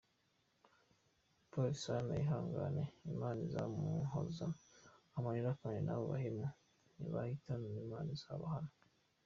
Pole sana yihangane, Imana izamuhoza amarira kandi n'abo bahemu nibatihana Imana izabahana.